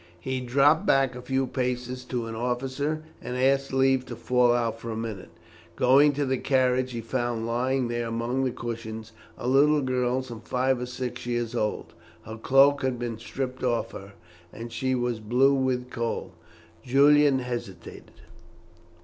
He dropped back a few paces to an officer, and asked leave to fall out for a minute. Going to the carriage he found lying there among the cushions a little girl some five or six years old. Her cloak had been stripped off her, and she was blue with cold. Julian hesitated.